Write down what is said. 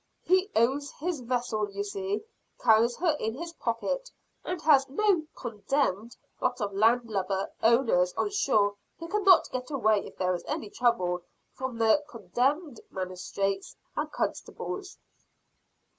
"He owns his vessel, you see carries her in his pocket and has no condemned lot of land lubber owners on shore who cannot get away if there is any trouble, from the condemned magistrates and constables."